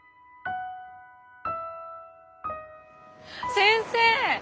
先生！